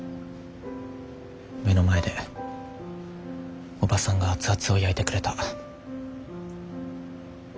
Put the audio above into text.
目の前でおばさんが熱々を焼いてくれた。